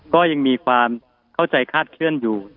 ก็ยังมีความเข้าใจคาดเคลื่อนอยู่